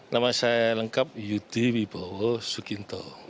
nama saya lengkap yudi wibowo suginto